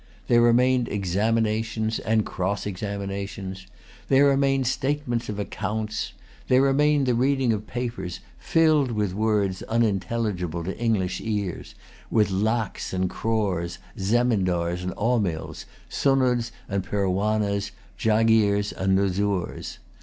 There remained examinations and cross examinations. There remained statements of accounts. There remained the reading of papers, filled with words unintelligible to English ears, with lacs and crores, zemindars and aumils, sunnuds and perwannahs, jaghires and nuzzurs.